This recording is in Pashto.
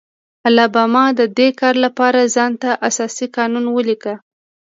الاباما د دې کار لپاره ځان ته اساسي قانون ولیکه.